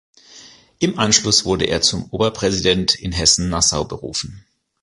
Im Anschluss wurde er zum Oberpräsident in Hessen-Nassau berufen.